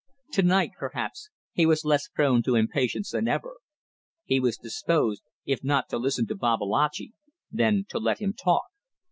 To night, perhaps, he was less prone to impatience than ever. He was disposed, if not to listen to Babalatchi, then to let him talk.